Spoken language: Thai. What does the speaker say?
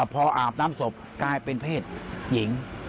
พออาบน้ำศพกลายเป็นเพศหญิง